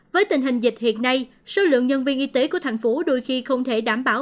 với tình hình dịch hiện nay số lượng nhân viên y tế của thành phố đôi khi không thể đảm bảo